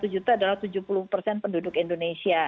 satu ratus delapan puluh satu juta adalah tujuh puluh penduduk indonesia